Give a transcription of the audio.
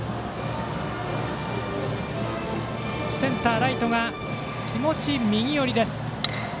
センター、ライトは気持ち右寄り。